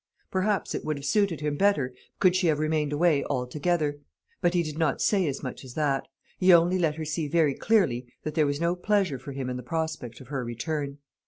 Perhaps it would have suited him better could she have remained away altogether; but he did not say as much as that; he only let her see very clearly that there was no pleasure for him in the prospect of her return.